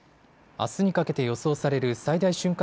あすにかけて予想される最大瞬間